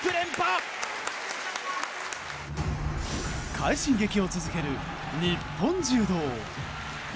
快進撃を続ける日本柔道。